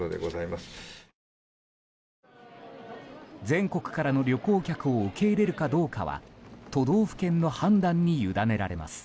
全国からの旅行客を受け入れるかどうかは都道府県の判断に委ねられます。